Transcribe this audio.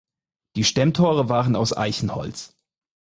Die Stemmtore waren aus Eichenholz.